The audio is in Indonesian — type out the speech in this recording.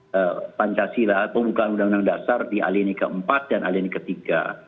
pembukaan pancasila pembukaan undang undang dasar di alir ini keempat dan alir ini ketiga